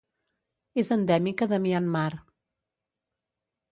És endèmica de Myanmar.